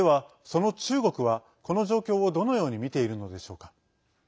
その中国は、この状況をどのように見ているのでしょうか。